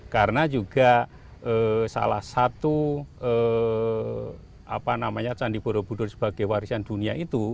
karena juga salah satu candi borobudur sebagai warisan dunia itu